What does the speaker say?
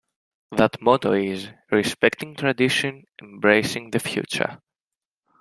That motto is "Respecting tradition, embracing the future".